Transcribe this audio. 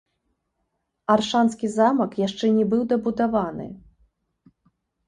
Аршанскі замак яшчэ не быў дабудаваны.